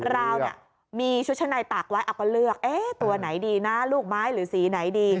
ราวเนี่ยมีชุดชั้นในตากไว้เอาก็เลือกตัวไหนดีนะลูกไม้หรือสีไหนดี